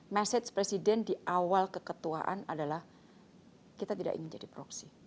message presiden di awal keketuaan adalah kita tidak ingin jadi proksi